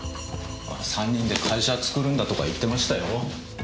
３人で会社作るんだとか言ってましたよ。